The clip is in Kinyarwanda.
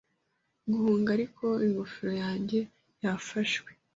GuhungaAriko ingofero yanjye yafashwe